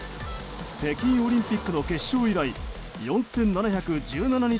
北京オリンピックの決勝以来４７１７日